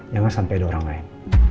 jangan sampai ada orang lain